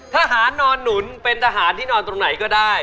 ทหารนอนหนุนเป็นทหารที่นอนตรงไหนก็ได้